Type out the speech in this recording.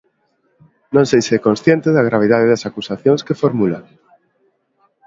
Non sei se é consciente da gravidade das acusacións que formula.